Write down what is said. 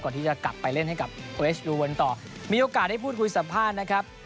ที่จะกลับไปเล่นให้กับเวชดูวนต่อมีโอกาสได้พูดคุยสัมภาษณ์นะครับ